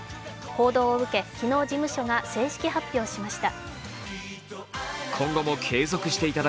報道を受け、昨日、事務所が正式発表しました。